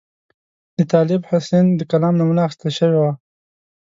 د طالب حسین د کلام نمونه اخیستل شوې وه.